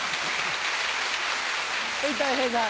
はいたい平さん。